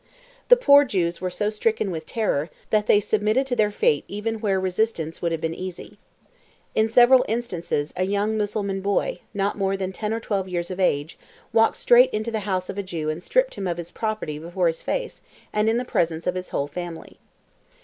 The poor Jews were so stricken with terror, that they submitted to their fate even where resistance would have been easy. In several instances a young Mussulman boy, not more than ten or twelve years of age, walked straight into the house of a Jew and stripped him of his property before his face, and in the presence of his whole family.